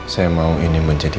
saya mau ini menjadi